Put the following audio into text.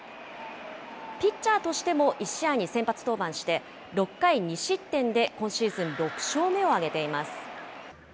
ピッチャーとしても１試合に先発登板して、６回２失点で今シーズン６勝目を挙げています。